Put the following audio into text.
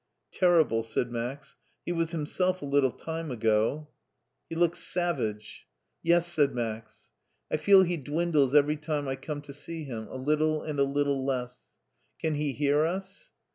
"Terrible!'' said Max; "he was himself a little time ago." He looks savage.'' €4 ti it HEIDELBERG 71 *' Yes/' said Max. " I feel he dwindles every time I come to see him — a little and a little less. Can he hear us